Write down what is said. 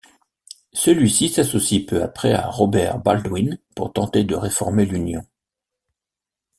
Celui-ci s'associe peu après à Robert Baldwin pour tenter de réformer l'Union.